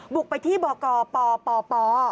บุกไปที่บกปป